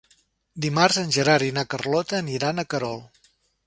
Dimarts en Gerard i na Carlota aniran a Querol.